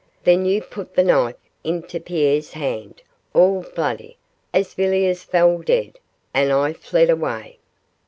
Then you put the knife into Pierre's hand, all bloody, as Villiers fell dead, and I fled away.